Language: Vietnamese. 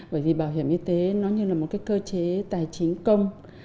bởi vì bảo hiểm y tế nó như là một cái cơ chế tài chính công